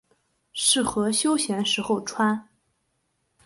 适合休闲时候穿。